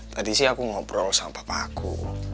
tadi sih aku ngobrol sama papa aku